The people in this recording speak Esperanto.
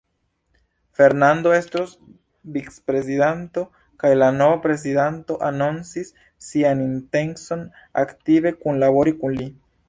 Fernando estos vicprezidanto, kaj la nova prezidanto anoncis sian intencon aktive kunlabori kun li.